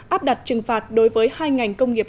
áp đặt trừng phạt đối với hai ngành công nghiệp